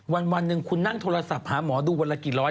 วันหนึ่งคุณนั่งโทรศัพท์หาหมอดูวันละกี่ร้อย